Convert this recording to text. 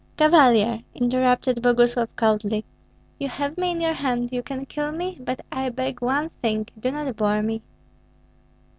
"Cavalier," interrupted Boguslav, coldly, "you have me in your hand, you can kill me; but I beg one thing, do not bore me."